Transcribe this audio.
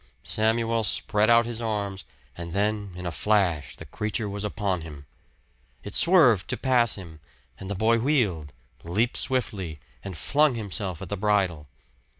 Samuel spread out his arms; and then in a flash the creature was upon him. It swerved to pass him; and the boy wheeled, leaped swiftly, and flung himself at the bridle.